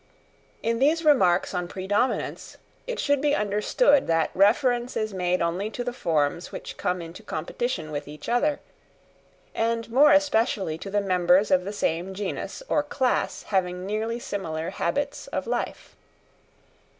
In these remarks on predominence, it should be understood that reference is made only to the forms which come into competition with each other, and more especially to the members of the same genus or class having nearly similar habits of life.